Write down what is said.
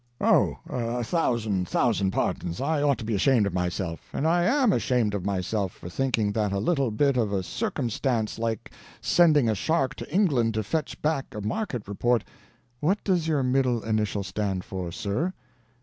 "Oh, a thousand, thousand pardons! I ought to be ashamed of myself, and I am ashamed of myself for thinking that a little bit of a circumstance like sending a shark to England to fetch back a market report " "What does your middle initial stand for, sir?"